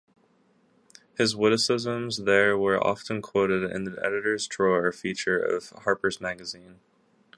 His witticisms there were often quoted in the "Editor's Drawer" feature of "Harper's Magazine".